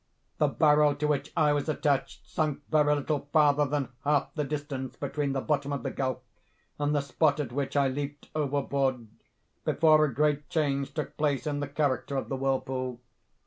The barrel to which I was attached sunk very little farther than half the distance between the bottom of the gulf and the spot at which I leaped overboard, before a great change took place in the character of the whirlpool.